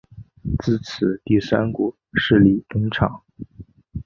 自此第三股势力登场。